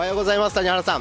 谷原さん。